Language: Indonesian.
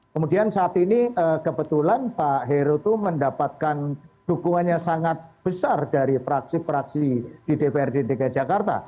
kemudian saat ini kebetulan pak heru mendapatkan dukungannya sangat besar dari praksi praksi di dpr dki jakarta